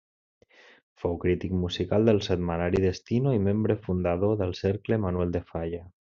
Fou crític musical del setmanari Destino i membre fundador del Cercle Manuel de Falla.